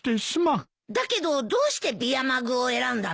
だけどどうしてビアマグを選んだの？